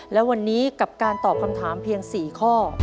และวันนี้กับการตอบคำถามเพียง๔ข้อ